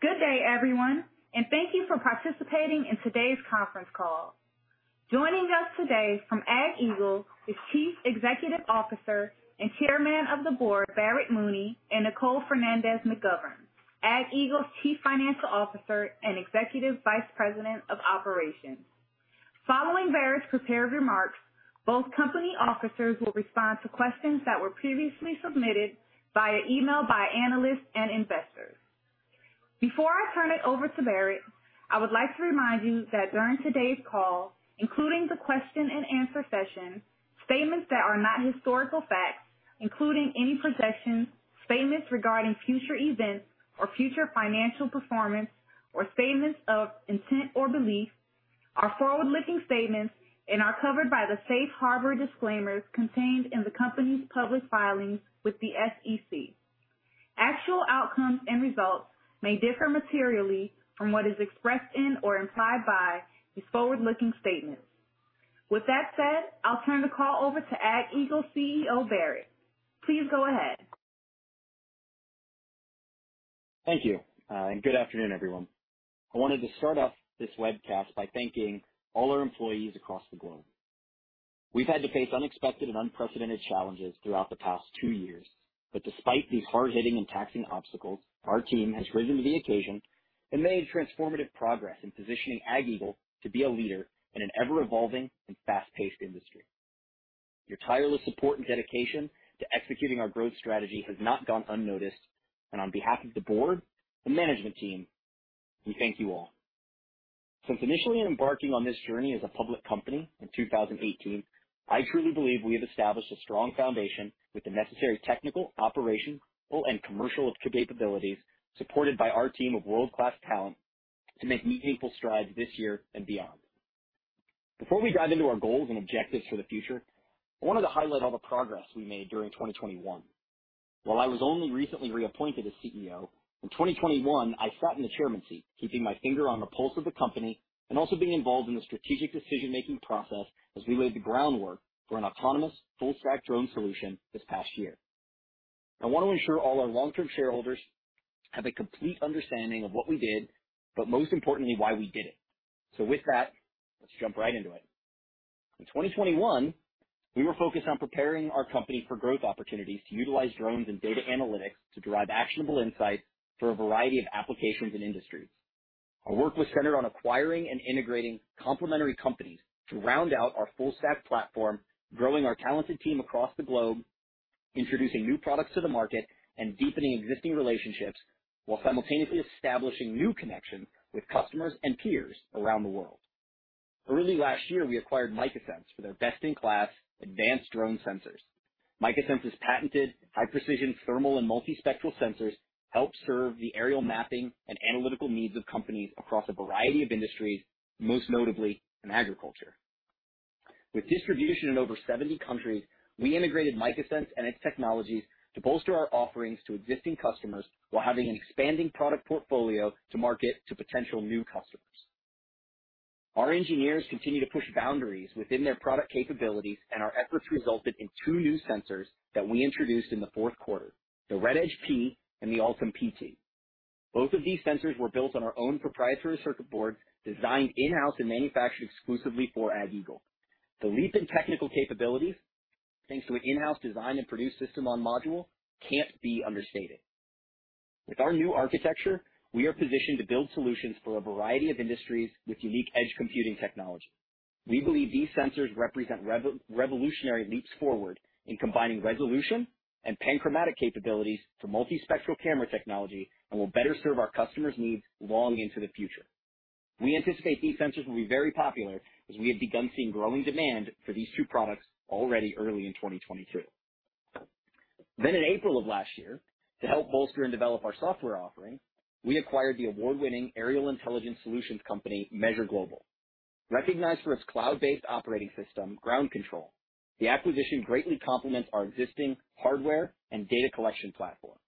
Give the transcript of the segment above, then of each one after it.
Good day, everyone, and thank you for participating in today's conference call. Joining us today from AgEagle is Chief Executive Officer and Chairman of the Board, Barrett Mooney, and Nicole Fernandez-McGovern, AgEagle's Chief Financial Officer and Executive Vice President of Operations. Following Barrett's prepared remarks, both company officers will respond to questions that were previously submitted via email by analysts and investors. Before I turn it over to Barrett, I would like to remind you that during today's call, including the question and answer session, statements that are not historical facts, including any projections, statements regarding future events or future financial performance, or statements of intent or belief, are forward-looking statements and are covered by the safe harbor disclaimers contained in the company's public filings with the SEC. Actual outcomes and results may differ materially from what is expressed in or implied by these forward-looking statements. With that said, I'll turn the call over to AgEagle CEO, Barrett. Please go ahead. Thank you and good afternoon, everyone. I wanted to start off this webcast by thanking all our employees across the globe. We've had to face unexpected and unprecedented challenges throughout the past two years, but despite these hard-hitting and taxing obstacles, our team has risen to the occasion and made transformative progress in positioning AgEagle to be a leader in an ever-evolving and fast-paced industry. Your tireless support and dedication to executing our growth strategy has not gone unnoticed. On behalf of the board and management team, we thank you all. Since initially embarking on this journey as a public company in 2018, I truly believe we have established a strong foundation with the necessary technical, operational, and commercial capabilities supported by our team of world-class talent to make meaningful strides this year and beyond. Before we dive into our goals and objectives for the future, I wanted to highlight all the progress we made during 2021. While I was only recently reappointed as CEO, in 2021 I sat in the chairman seat, keeping my finger on the pulse of the company and also being involved in the strategic decision-making process as we laid the groundwork for an autonomous full-stack drone solution this past year. I wanna ensure all our long-term shareholders have a complete understanding of what we did, but most importantly, why we did it. With that, let's jump right into it. In 2021, we were focused on preparing our company for growth opportunities to utilize drones and data analytics to derive actionable insights for a variety of applications and industries. Our work was centered on acquiring and integrating complementary companies to round out our full-stack platform, growing our talented team across the globe, introducing new products to the market, and deepening existing relationships, while simultaneously establishing new connections with customers and peers around the world. Early last year, we acquired MicaSense for their best-in-class advanced drone sensors. MicaSense's patented high-precision thermal and multispectral sensors help serve the aerial mapping and analytical needs of companies across a variety of industries, most notably in agriculture. With distribution in over 70 countries, we integrated MicaSense and its technologies to bolster our offerings to existing customers while having an expanding product portfolio to market to potential new customers. Our engineers continue to push boundaries within their product capabilities, and our efforts resulted in two new sensors that we introduced in the fourth quarter, the RedEdge-P and the Altum-PT. Both of these sensors were built on our own proprietary circuit board, designed in-house and manufactured exclusively for AgEagle. The leap in technical capabilities, thanks to an in-house design and produced system-on-module, can't be understated. With our new architecture, we are positioned to build solutions for a variety of industries with unique edge computing technology. We believe these sensors represent revolutionary leaps forward in combining resolution and panchromatic capabilities for multispectral camera technology and will better serve our customers' needs long into the future. We anticipate these sensors will be very popular as we have begun seeing growing demand for these two products already early in 2023. In April of last year, to help bolster and develop our software offering, we acquired the award-winning aerial intelligence solutions company, Measure Global. Recognized for its cloud-based operating system, Ground Control, the acquisition greatly complements our existing hardware and data collection platform.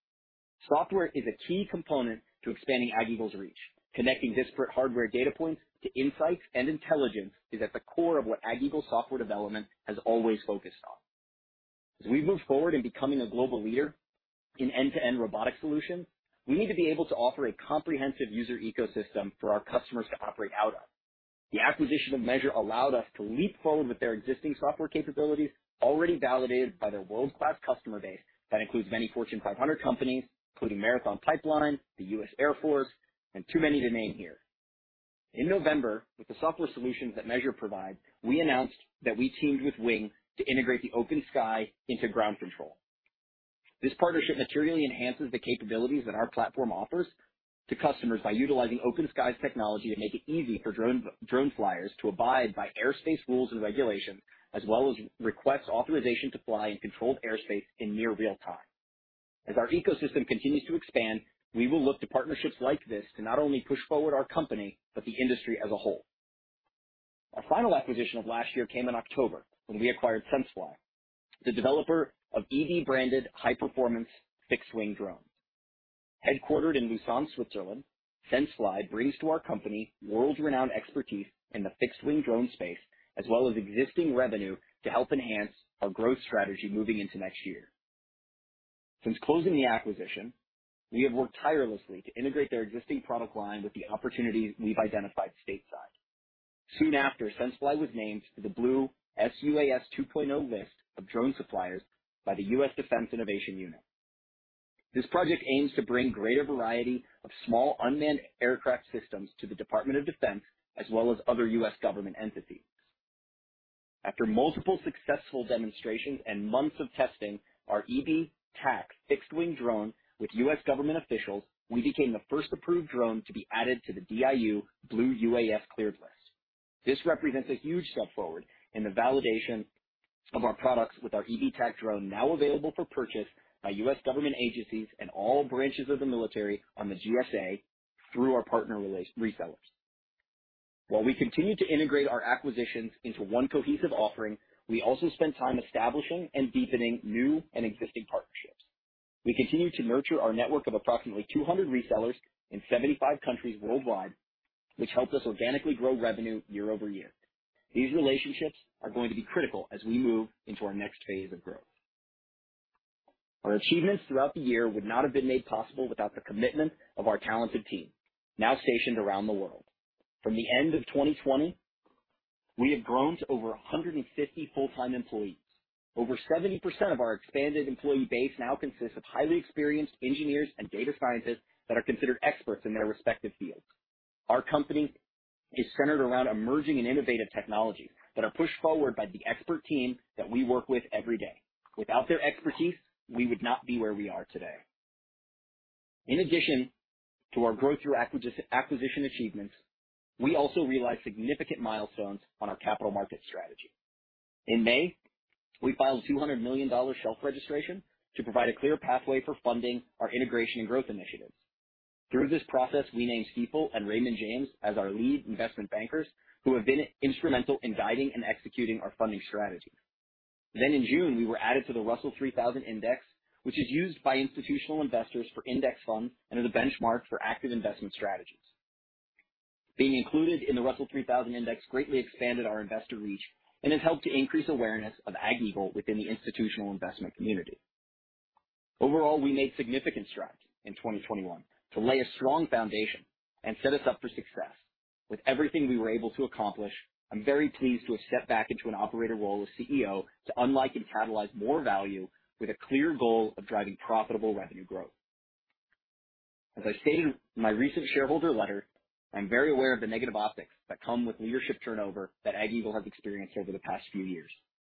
Software is a key component to expanding AgEagle's reach. Connecting disparate hardware data points to insights and intelligence is at the core of what AgEagle software development has always focused on. As we move forward in becoming a global leader in end-to-end robotic solutions, we need to be able to offer a comprehensive user ecosystem for our customers to operate out of. The acquisition of Measure allowed us to leap forward with their existing software capabilities already validated by their world-class customer base that includes many Fortune 500 companies, including Marathon Pipe Line, the U.S. Air Force, and too many to name here. In November, with the software solutions that Measure provide, we announced that we teamed with Wing to integrate the OpenSky into Ground Control. This partnership materially enhances the capabilities that our platform offers to customers by utilizing OpenSky's technology to make it easy for drone flyers to abide by airspace rules and regulations, as well as request authorization to fly in controlled airspace in near real time. As our ecosystem continues to expand, we will look to partnerships like this to not only push forward our company but the industry as a whole. Our final acquisition of last year came in October when we acquired senseFly, the developer of eBee-branded high-performance fixed-wing drones. Headquartered in Lausanne, Switzerland, senseFly brings to our company world-renowned expertise in the fixed-wing drone space, as well as existing revenue to help enhance our growth strategy moving into next year. Since closing the acquisition, we have worked tirelessly to integrate their existing product line with the opportunities we've identified stateside. Soon after, senseFly was named to the Blue sUAS 2.0 list of drone suppliers by the U.S. Defense Innovation Unit. This project aims to bring greater variety of small unmanned aircraft systems to the Department of Defense as well as other U.S. government entities. After multiple successful demonstrations and months of testing our eBee TAC fixed-wing drone with U.S. government officials, we became the first approved drone to be added to the DIU Blue UAS cleared list. This represents a huge step forward in the validation of our products with our eBee TAC drone now available for purchase by U.S. government agencies and all branches of the military on the GSA through our partner resellers. While we continue to integrate our acquisitions into one cohesive offering, we also spend time establishing and deepening new and existing partnerships. We continue to nurture our network of approximately 200 resellers in 75 countries worldwide, which helps us organically grow revenue year over year. These relationships are going to be critical as we move into our next phase of growth. Our achievements throughout the year would not have been made possible without the commitment of our talented team now stationed around the world. From the end of 2020, we have grown to over 150 full-time employees. Over 70% of our expanded employee base now consists of highly experienced engineers and data scientists that are considered experts in their respective fields. Our company is centered around emerging and innovative technologies that are pushed forward by the expert team that we work with every day. Without their expertise, we would not be where we are today. In addition to our growth through acquisition achievements, we also realized significant milestones on our capital market strategy. In May, we filed a $200 million shelf registration to provide a clear pathway for funding our integration and growth initiatives. Through this process, we named Stifel and Raymond James as our lead investment bankers, who have been instrumental in guiding and executing our funding strategy. In June, we were added to the Russell 3000 Index, which is used by institutional investors for index funds and is a benchmark for active investment strategies. Being included in the Russell 3000 Index greatly expanded our investor reach and has helped to increase awareness of AgEagle within the institutional investment community. Overall, we made significant strides in 2021 to lay a strong foundation and set us up for success. With everything we were able to accomplish, I'm very pleased to have stepped back into an operator role as CEO to unlock and catalyze more value with a clear goal of driving profitable revenue growth. As I stated in my recent shareholder letter, I'm very aware of the negative optics that come with leadership turnover that AgEagle has experienced over the past few years.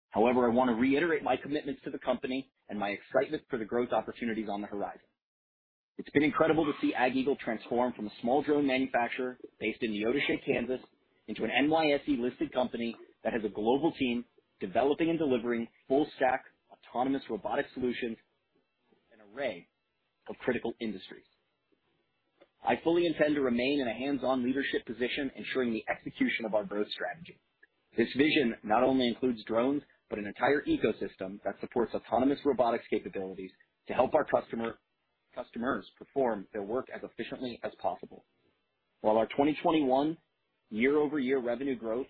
However, I wanna reiterate my commitments to the company and my excitement for the growth opportunities on the horizon. It's been incredible to see AgEagle transform from a small drone manufacturer based in Neodesha, Kansas, into an NYSE-listed company that has a global team developing and delivering full-stack autonomous robotic solutions in an array of critical industries. I fully intend to remain in a hands-on leadership position, ensuring the execution of our growth strategy. This vision not only includes drones, but an entire ecosystem that supports autonomous robotics capabilities to help our customers perform their work as efficiently as possible. While our 2021 year-over-year revenue growth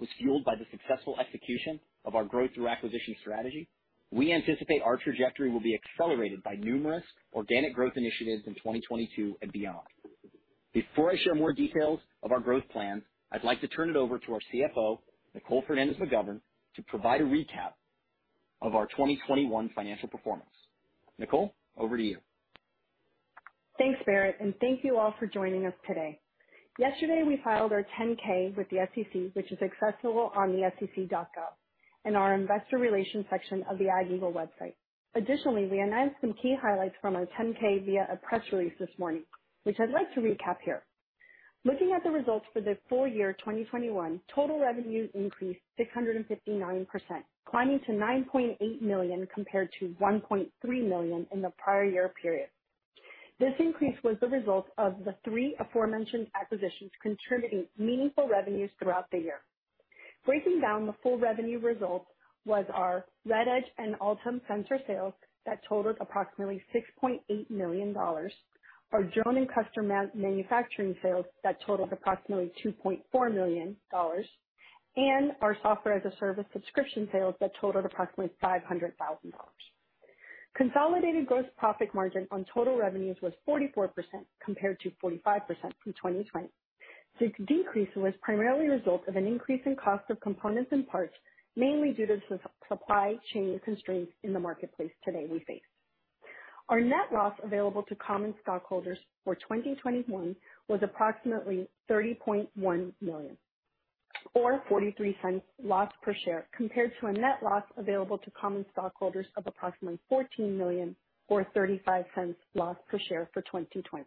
was fueled by the successful execution of our growth through acquisition strategy, we anticipate our trajectory will be accelerated by numerous organic growth initiatives in 2022 and beyond. Before I share more details of our growth plan, I'd like to turn it over to our CFO, Nicole Fernandez-McGovern, to provide a recap of our 2021 financial performance. Nicole, over to you. Thanks, Barrett, and thank you all for joining us today. Yesterday, we filed our 10-K with the SEC, which is accessible on sec.gov and our investor relations section of the AgEagle website. Additionally, we announced some key highlights from our 10-K via a press release this morning, which I'd like to recap here. Looking at the results for the full year 2021, total revenue increased 659%, climbing to $9.8 million compared to $1.3 million in the prior year period. This increase was the result of the three aforementioned acquisitions contributing meaningful revenues throughout the year. Breaking down the full revenue results was our RedEdge and Altum sensor sales that totaled approximately $6.8 million. Our drone and custom manufacturing sales that totaled approximately $2.4 million. Our software as a service subscription sales that totaled approximately $500,000. Consolidated gross profit margin on total revenues was 44% compared to 45% in 2020. This decrease was primarily a result of an increase in cost of components and parts, mainly due to supply chain constraints in the marketplace today we face. Our net loss available to common stockholders for 2021 was approximately $30.1 million or $0.43 loss per share, compared to a net loss available to common stockholders of approximately $14 million or $0.35 loss per share for 2020.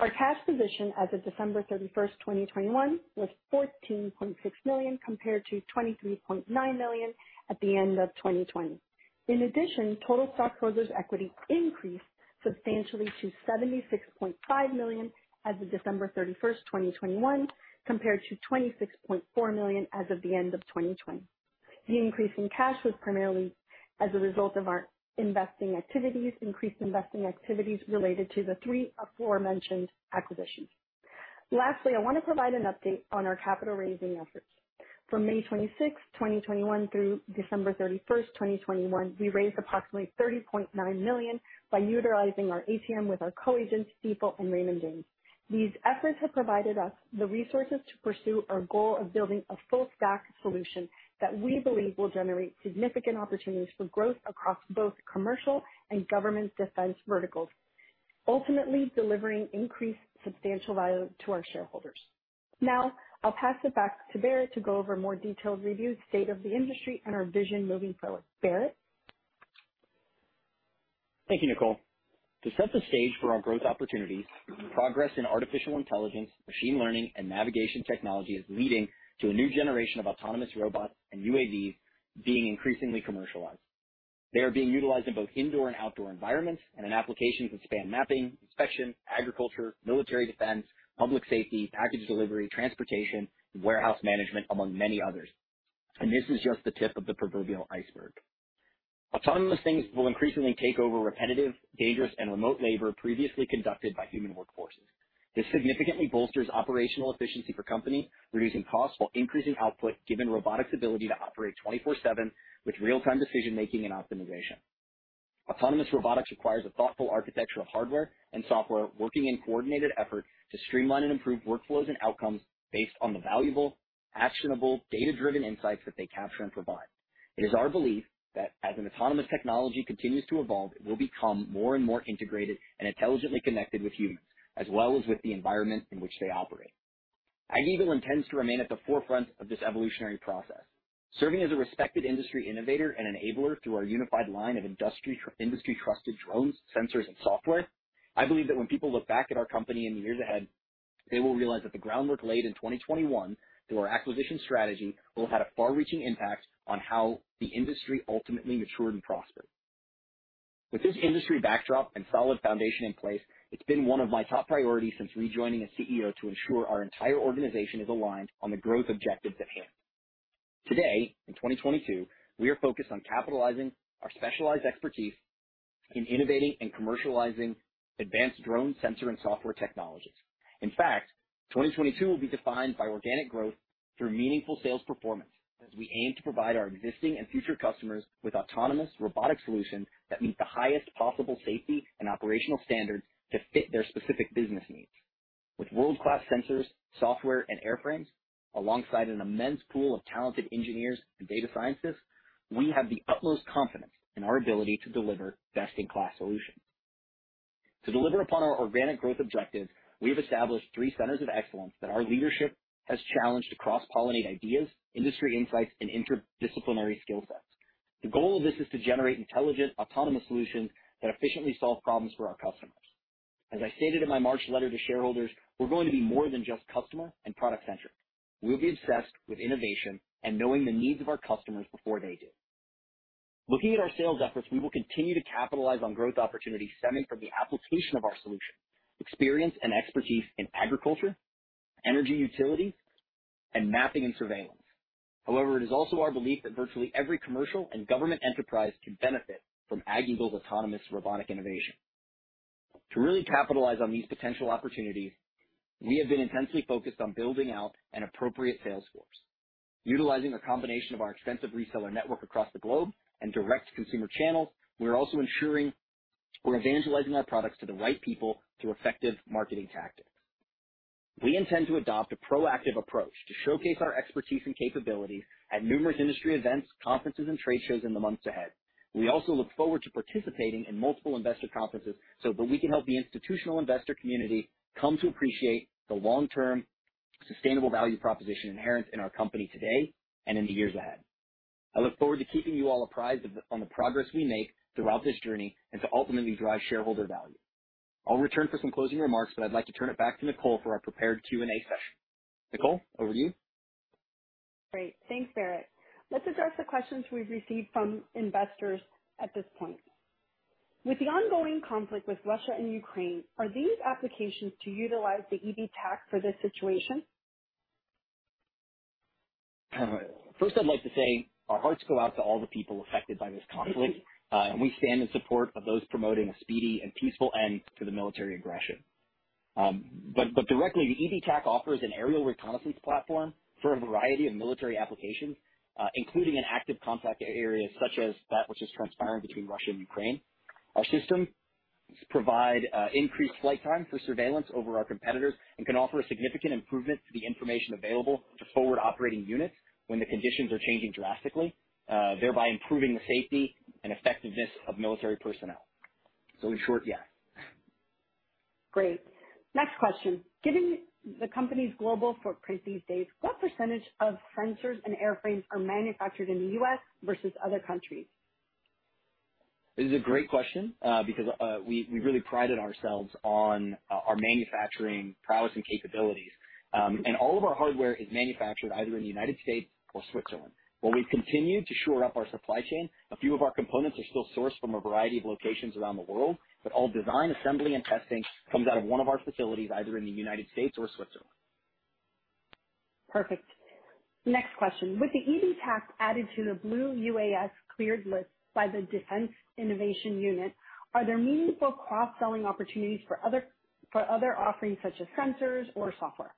Our cash position as of December 31st, 2021, was $14.6 million compared to $23.9 million at the end of 2020. In addition, total stockholders' equity increased substantially to $76.5 million as of December 31st, 2021, compared to $26.4 million as of the end of 2020. The increase in cash was primarily as a result of our investing activities, increased investing activities related to the three aforementioned acquisitions. Lastly, I wanna provide an update on our capital raising efforts. From May 26th, 2021 through December 31st, 2021, we raised approximately $30.9 million by utilizing our ATM with our co-agents, Stifel and Raymond James. These efforts have provided us the resources to pursue our goal of building a full stack solution that we believe will generate significant opportunities for growth across both commercial and government defense verticals, ultimately delivering increased substantial value to our shareholders. Now, I'll pass it back to Barrett to go over a more detailed review, state of the industry and our vision moving forward. Barrett? Thank you, Nicole. To set the stage for our growth opportunities, progress in artificial intelligence, machine learning, and navigation technology is leading to a new generation of autonomous robots and UAVs being increasingly commercialized. They are being utilized in both indoor and outdoor environments and in applications that span mapping, inspection, agriculture, military defense, public safety, package delivery, transportation, and warehouse management, among many others. This is just the tip of the proverbial iceberg. Autonomous things will increasingly take over repetitive, dangerous, and remote labor previously conducted by human workforces. This significantly bolsters operational efficiency for companies, reducing costs while increasing output, given robotics' ability to operate 24/7 with real-time decision-making and optimization. Autonomous robotics requires a thoughtful architecture of hardware and software working in coordinated effort to streamline and improve workflows and outcomes based on the valuable, actionable, data-driven insights that they capture and provide. It is our belief that as an autonomous technology continues to evolve, it will become more and more integrated and intelligently connected with humans, as well as with the environment in which they operate. AgEagle intends to remain at the forefront of this evolutionary process, serving as a respected industry innovator and enabler through our unified line of industry trusted drones, sensors, and software. I believe that when people look back at our company in the years ahead, they will realize that the groundwork laid in 2021 through our acquisition strategy will have had a far-reaching impact on how the industry ultimately matured and prospered. With this industry backdrop and solid foundation in place, it's been one of my top priorities since rejoining as CEO to ensure our entire organization is aligned on the growth objectives at hand. Today, in 2022, we are focused on capitalizing our specialized expertise in innovating and commercializing advanced drone sensor and software technologies. In fact, 2022 will be defined by organic growth through meaningful sales performance as we aim to provide our existing and future customers with autonomous robotic solutions that meet the highest possible safety and operational standards to fit their specific business needs. With world-class sensors, software, and airframes, alongside an immense pool of talented engineers and data scientists, we have the utmost confidence in our ability to deliver best-in-class solutions. To deliver upon our organic growth objectives, we have established three centers of excellence that our leadership has challenged to cross-pollinate ideas, industry insights, and interdisciplinary skill sets. The goal of this is to generate intelligent, autonomous solutions that efficiently solve problems for our customers. As I stated in my March letter to shareholders, we're going to be more than just customer and product-centric. We'll be obsessed with innovation and knowing the needs of our customers before they do. Looking at our sales efforts, we will continue to capitalize on growth opportunities stemming from the application of our solution, experience, and expertise in agriculture, energy utilities, and mapping and surveillance. However, it is also our belief that virtually every commercial and government enterprise can benefit from AgEagle's autonomous robotic innovation. To really capitalize on these potential opportunities, we have been intensely focused on building out an appropriate sales force. Utilizing a combination of our extensive reseller network across the globe and direct-to-consumer channels, we are also ensuring we're evangelizing our products to the right people through effective marketing tactics. We intend to adopt a proactive approach to showcase our expertise and capabilities at numerous industry events, conferences, and trade shows in the months ahead. We also look forward to participating in multiple investor conferences so that we can help the institutional investor community come to appreciate the long-term sustainable value proposition inherent in our company today and in the years ahead. I look forward to keeping you all apprised of the progress we make throughout this journey and to ultimately drive shareholder value. I'll return for some closing remarks, but I'd like to turn it back to Nicole for our prepared Q&A session. Nicole, over to you. Great. Thanks, Barrett. Let's address the questions we've received from investors at this point. With the ongoing conflict with Russia and Ukraine, are these applications to utilize the eBee TAC for this situation? First I'd like to say our hearts go out to all the people affected by this conflict, and we stand in support of those promoting a speedy and peaceful end to the military aggression. Directly, the eBee TAC offers an aerial reconnaissance platform for a variety of military applications, including in active conflict areas such as that which is transpiring between Russia and Ukraine. Our systems provide increased flight time for surveillance over our competitors and can offer a significant improvement to the information available to forward operating units when the conditions are changing drastically, thereby improving the safety and effectiveness of military personnel. In short, yes. Great. Next question. Given the company's global footprint these days, what percentage of sensors and airframes are manufactured in the U.S. versus other countries? This is a great question, because we really prided ourselves on our manufacturing prowess and capabilities. All of our hardware is manufactured either in the United States or Switzerland. While we've continued to shore up our supply chain, a few of our components are still sourced from a variety of locations around the world, but all design, assembly, and testing comes out of one of our facilities, either in the United States or Switzerland. Perfect. Next question. With the eBee TAC added to the Blue UAS cleared list by the Defense Innovation Unit, are there meaningful cross-selling opportunities for other offerings such as sensors or software?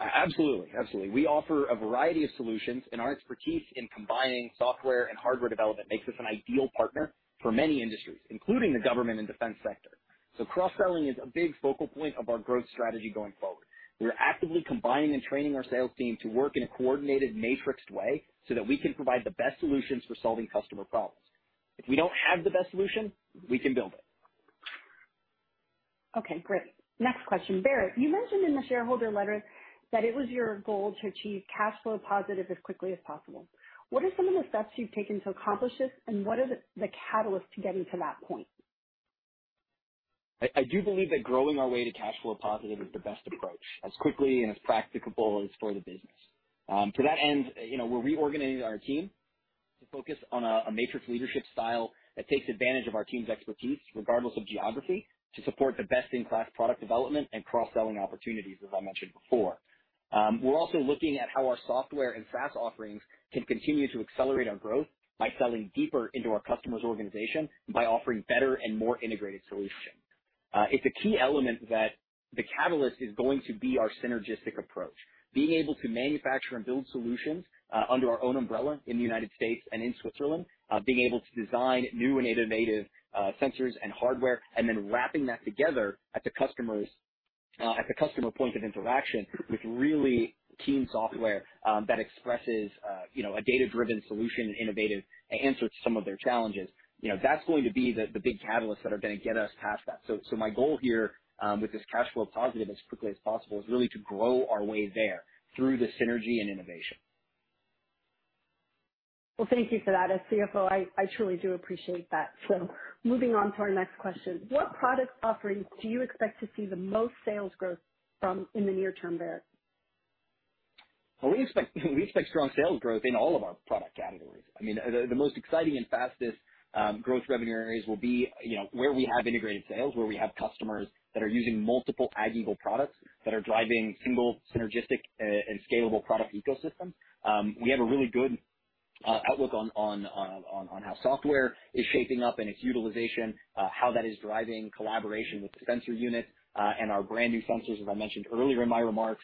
Absolutely. We offer a variety of solutions, and our expertise in combining software and hardware development makes us an ideal partner for many industries, including the government and defense sector. Cross-selling is a big focal point of our growth strategy going forward. We are actively combining and training our sales team to work in a coordinated matrixed way so that we can provide the best solutions for solving customer problems. If we don't have the best solution, we can build it. Okay, great. Next question. Barrett, you mentioned in the shareholder letter that it was your goal to achieve cash flow positive as quickly as possible. What are some of the steps you've taken to accomplish this, and what are the catalysts to getting to that point? I do believe that growing our way to cash flow positive is the best approach as quickly and as practicable as for the business. To that end, you know, we're reorganizing our team to focus on a matrix leadership style that takes advantage of our team's expertise, regardless of geography, to support the best-in-class product development and cross-selling opportunities, as I mentioned before. We're also looking at how our software and SaaS offerings can continue to accelerate our growth by selling deeper into our customer's organization and by offering better and more integrated solutions. It's a key element that the catalyst is going to be our synergistic approach. Being able to manufacture and build solutions under our own umbrella in the United States and in Switzerland, being able to design new and innovative sensors and hardware, and then wrapping that together at the customer point of interaction with really keen software that expresses you know a data-driven solution, innovative answer to some of their challenges. You know, that's going to be the big catalysts that are gonna get us past that. My goal here with this cash flow positive as quickly as possible is really to grow our way there through the synergy and innovation. Well, thank you for that. As CFO, I truly do appreciate that. Moving on to our next question. What product offerings do you expect to see the most sales growth from in the near term, Barrett? Well, we expect strong sales growth in all of our product categories. I mean, the most exciting and fastest growth revenue areas will be, you know, where we have integrated sales, where we have customers that are using multiple AgEagle products that are driving single synergistic, and scalable product ecosystems. We have a really good outlook on how software is shaping up and its utilization, how that is driving collaboration with the sensor unit, and our brand new sensors, as I mentioned earlier in my remarks.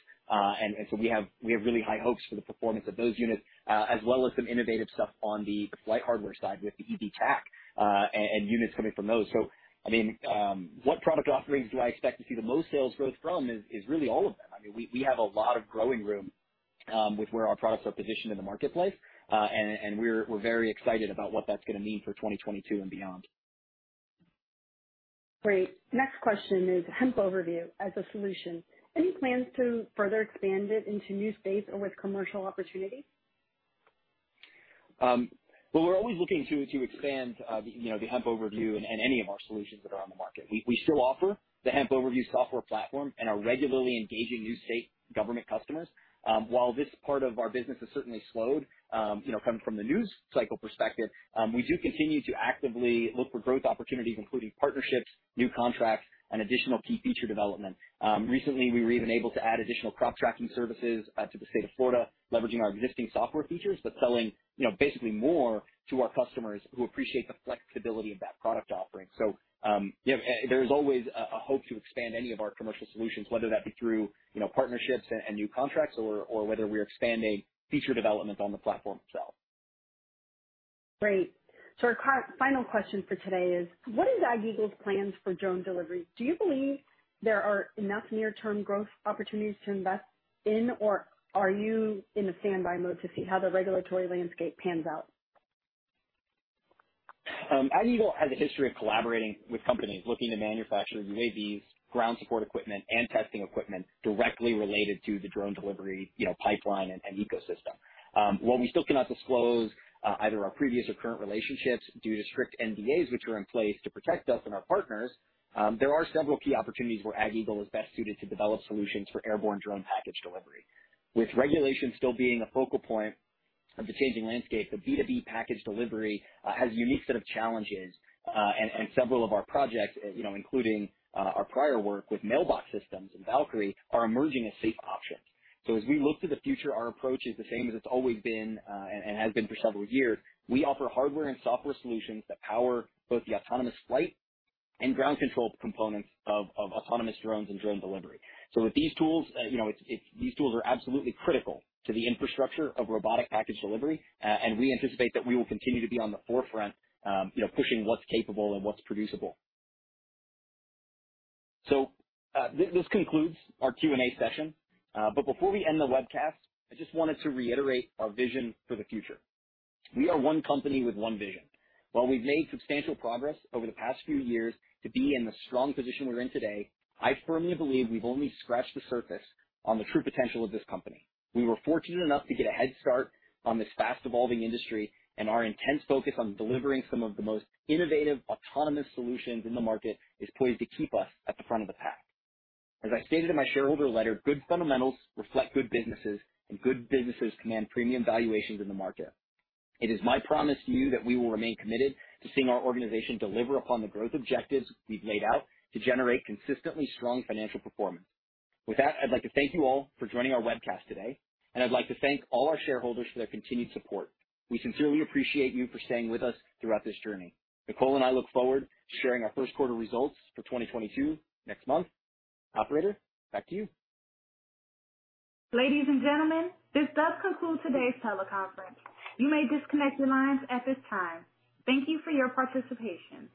We have really high hopes for the performance of those units, as well as some innovative stuff on the flight hardware side with the eBee TAC, and units coming from those. I mean, what product offerings do I expect to see the most sales growth from is really all of them. I mean, we have a lot of growing room with where our products are positioned in the marketplace, and we're very excited about what that's gonna mean for 2022 and beyond. Great. Next question is HempOverview as a solution, any plans to further expand it into new space or with commercial opportunities? Well, we're always looking to expand you know the HempOverview and any of our solutions that are on the market. We still offer the HempOverview software platform and are regularly engaging new state government customers. While this part of our business has certainly slowed you know from the news cycle perspective, we do continue to actively look for growth opportunities, including partnerships, new contracts, and additional key feature development. Recently, we were even able to add additional crop tracking services to the state of Florida, leveraging our existing software features, but selling you know basically more to our customers who appreciate the flexibility of that product offering. You know, there is always a hope to expand any of our commercial solutions, whether that be through you know, partnerships and new contracts or whether we're expanding feature development on the platform itself. Great. Our final question for today is what is AgEagle's plans for drone delivery? Do you believe there are enough near-term growth opportunities to invest in, or are you in a standby mode to see how the regulatory landscape pans out? AgEagle has a history of collaborating with companies looking to manufacture UAVs ground support equipment and testing equipment directly related to the drone delivery, you know, pipeline and ecosystem. While we still cannot disclose either our previous or current relationships due to strict NDAs which are in place to protect us and our partners, there are several key opportunities where AgEagle is best suited to develop solutions for airborne drone package delivery. With regulation still being a focal point of the changing landscape, the B2B package delivery has a unique set of challenges, and several of our projects, you know, including our prior work with mailbox systems and Valqari are emerging as safe options. As we look to the future, our approach is the same as it's always been, and has been for several years. We offer hardware and software solutions that power both the autonomous flight and ground control components of autonomous drones and drone delivery. With these tools, these tools are absolutely critical to the infrastructure of robotic package delivery. We anticipate that we will continue to be on the forefront, pushing what's capable and what's producible. This concludes our Q&A session. Before we end the webcast, I just wanted to reiterate our vision for the future. We are one company with one vision. While we've made substantial progress over the past few years to be in the strong position we're in today, I firmly believe we've only scratched the surface on the true potential of this company. We were fortunate enough to get a head start on this fast-evolving industry, and our intense focus on delivering some of the most innovative autonomous solutions in the market is poised to keep us at the front of the pack. As I stated in my shareholder letter, good fundamentals reflect good businesses, and good businesses command premium valuations in the market. It is my promise to you that we will remain committed to seeing our organization deliver upon the growth objectives we've laid out to generate consistently strong financial performance. With that, I'd like to thank you all for joining our webcast today, and I'd like to thank all our shareholders for their continued support. We sincerely appreciate you for staying with us throughout this journey. Nicole and I look forward to sharing our first quarter results for 2022 next month. Operator, back to you. Ladies and gentlemen, this does conclude today's teleconference. You may disconnect your lines at this time. Thank you for your participation.